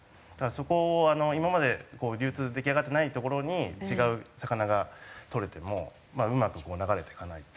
そこを今まで流通出来上がってないところに違う魚がとれてもうまく流れていかないっていう。